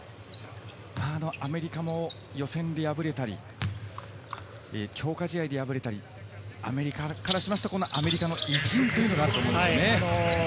アメリカも予選で敗れたり強化試合で敗れたり、アメリカからするとアメリカの意地があったと思いますね。